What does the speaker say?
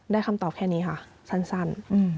คำตอบแค่นี้ค่ะสั้น